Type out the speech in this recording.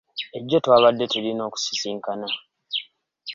Ejjo twabadde tulina okusisinkana.